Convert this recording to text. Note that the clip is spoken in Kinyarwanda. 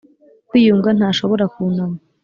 kwiyunga ntashobora kunama -